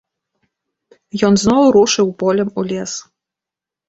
Ён зноў рушыў полем у лес.